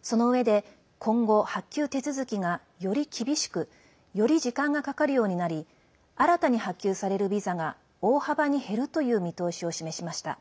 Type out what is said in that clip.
そのうえで今後、発給手続きがより厳しくより時間がかかるようになり新たに発給されるビザが大幅に減るという見通しを示しました。